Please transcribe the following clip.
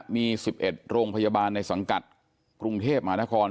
มี๑๑โรงพยาบาลในสังกัดกรุงเทพมหานคร